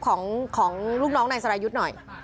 ของลูกน้องนายสรายุทธ์หน่อย